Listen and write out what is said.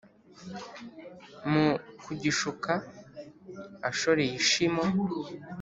mu kugishuka ashoreye ishimo.